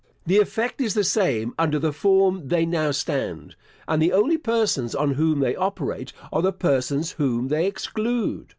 The effect is the same under the form they now stand; and the only persons on whom they operate are the persons whom they exclude.